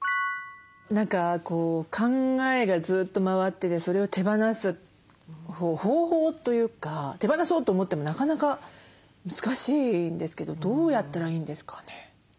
何かこう考えがずっと回っててそれを手放す方法というか手放そうと思ってもなかなか難しいんですけどどうやったらいいんですかね？